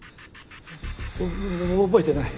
お覚えてない。